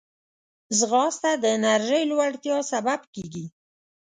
ځغاسته د انرژۍ لوړتیا سبب کېږي